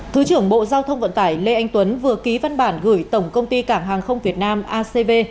thứ trưởng bộ giao thông vận tải lê anh tuấn vừa ký văn bản gửi tổng công ty cảng hàng không việt nam acv